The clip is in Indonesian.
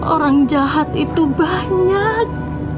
orang jahat itu banyak